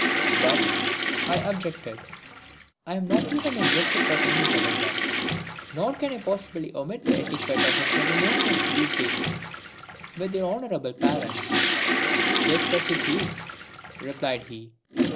"But," I objected, "I am not even in receipt of any telegram. Nor can I possibly omit the etiquette of a ceremonious leave taking with your honourable parents." "Just as you please," replied he.